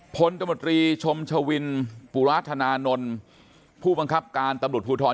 ตมตรีชมชวินปุราธนานนท์ผู้บังคับการตำรวจภูทร